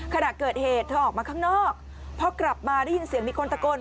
ขณะเกิดเหตุเธอออกมาข้างนอกพอกลับมาได้ยินเสียงมีคนตะโกน